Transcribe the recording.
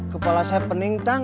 kepala saya pening tang